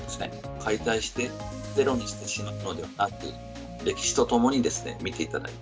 解体してゼロにしてしまうのではなく、歴史と共に見ていただいて、